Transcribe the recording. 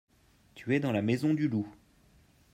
tu es dans la maison du loup.